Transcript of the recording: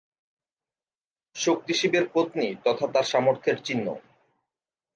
শক্তি শিবের পত্নী তথা তার সামর্থ্যের চিহ্ন।